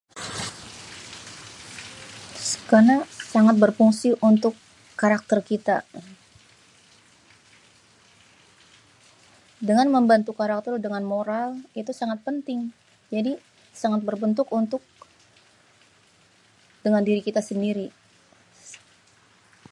Karena sangat berfungsi untuk karakter kita, dengan membantu karakter dengan moral itu sangat penting, jadi sangat berbentuk untuk dengan diri kita sendiri.